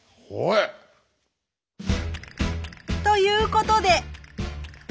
ほぇ⁉ということで。